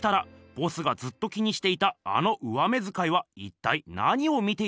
ボスがずっと気にしていたあの上目づかいは一体何を見ていたのでしょうか。